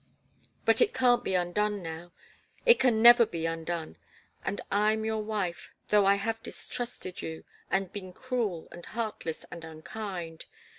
"But it can't be undone, now. It can never be undone and I'm your wife, though I have distrusted you, and been cruel and heartless and unkind.